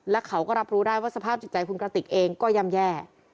และเขาก็รับรู้ได้ว่าสภาพจิตใจคุณกระติกเองก็ย่ำแย่